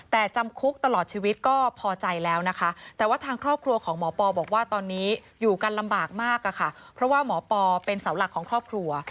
แต่จำคุกตลอดชีวิตก็พอใจแล้วนะคะแต่ว่าทางครอบครัวของหมอปอบอกว่าตอนนี้อยู่กันลำบากมากค่ะเพราะว่าหมอปอเป็นเสาหลักของครอบครัว